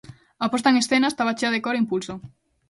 A posta en escena estaba chea de cor e impulso.